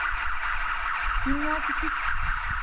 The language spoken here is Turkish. Dünya küçük.